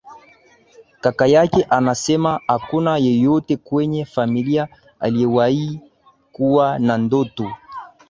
Kaka yake anasema hakuna yeyote kwenye familia aliyewahi kuwa na ndoto